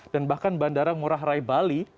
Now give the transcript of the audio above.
dan bahkan bandara ngurah rai bali